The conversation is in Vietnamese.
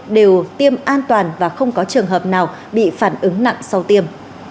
đều tiêm an toàn và không có trường hợp nào bị phản ứng nặng sau tiêm